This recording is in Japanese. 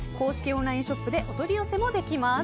オンラインショップでお取り寄せもできます。